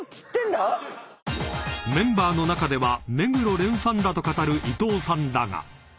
［メンバーの中では目黒蓮ファンだと語るいとうさんだが］